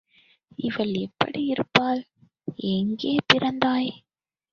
அவள் எப்படி இருப்பாள்? எங்கே பிரிந்தாய்?